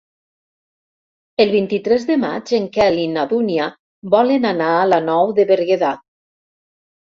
El vint-i-tres de maig en Quel i na Dúnia volen anar a la Nou de Berguedà.